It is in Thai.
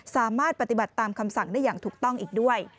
สามารถปฏิบัติตามคำสั่งได้อย่างถูกต้องอีกด้วย